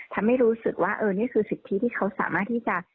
ทำให้รู้สึกว่าเออนี่คือสิทธิที่เขาสามารถที่จะ